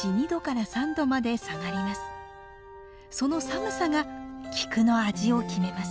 その寒さが菊の味を決めます。